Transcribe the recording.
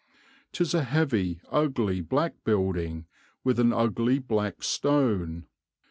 'Tis a heavy, ugly, black building, with an ugly black stone.